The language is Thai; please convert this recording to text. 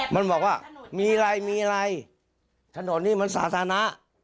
มันบอกว่ามีอะไรมีอะไรถนนนี้มันสาธารณะ